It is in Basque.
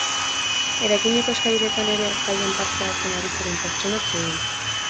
Eraikineko eskaileretan ere jaian parte hartzen ari ziren pertsonak zeuden.